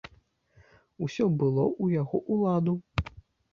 Усё было ў яго ў ладу.